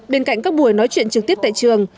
bên cạnh các buổi nói chuyện trực tiếp tại trường